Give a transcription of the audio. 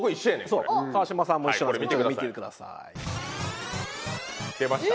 これ川島さんも一緒なんで見てください出ました！